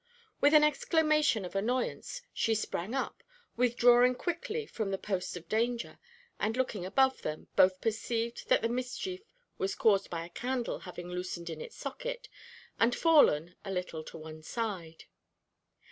With an exclamation of annoyance, she sprang up, withdrawing quickly from the post of danger, and looking above them, both perceived that the mischief was caused by a candle having loosened in its socket, and fallen a little to one side.